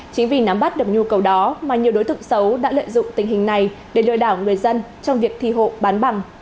chính vì nắm bắt được nhu cầu đó mà nhiều đối tượng xấu đã lợi dụng tình hình này để lừa đảo người dân trong việc thi hộ bán bằng